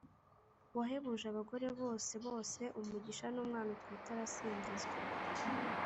wahebuje abagore bose bose umugisha, n’umwana utwite arasingizwa